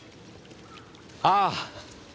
ああ。